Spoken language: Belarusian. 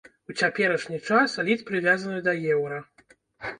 У цяперашні час літ прывязаны да еўра.